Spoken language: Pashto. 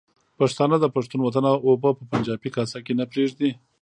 پښتانه د پښتون وطن اوبه په پنجابي کاسه کې نه پرېږدي.